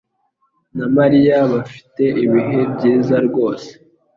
na Mariya bafite ibihe byiza rwose.